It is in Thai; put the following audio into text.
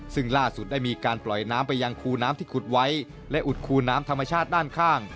ซึ่งล่าสุดได้มีการปล่อยน้ำไปยังคูน้ำที่ขุดไว้และอุดคูน้ำธรรมชาติด้านข้าง